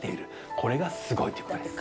これがすごいということです。